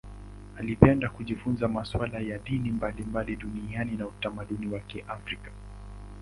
Alipenda kujifunza masuala ya dini mbalimbali duniani na utamaduni wa Kiafrika.